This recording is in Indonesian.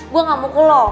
gue gak mukul lo